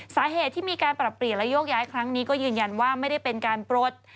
สาเหตุที่มีการปรับเปลี่ยนและโยกย้ายครั้งนี้ก็ยืนยันว่าไม่ได้เป็นการปลด